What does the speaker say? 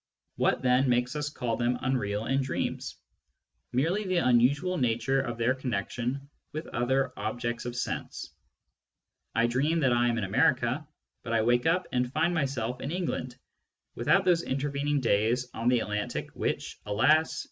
What, then, makes us call them unreal in dreams ? Merely the unusual nature of their connection with other objects of sense. I dream that I am in America, but I wake up and find myself in England without those intervening days on the Atlantic which, alas